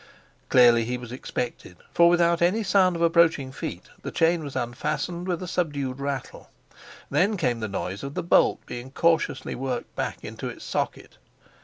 Clearly he was expected, for without any sound of approaching feet the chain was unfastened with a subdued rattle. Then came the noise of the bolt being cautiously worked back into its socket.